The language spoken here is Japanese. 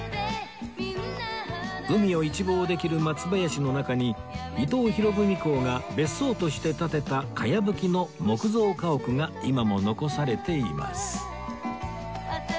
海を一望できる松林の中に伊藤博文公が別荘として建てた茅葺きの木造家屋が今も残されています